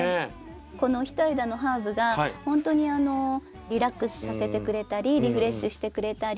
この一枝のハーブがほんとにリラックスさせてくれたりリフレッシュしてくれたり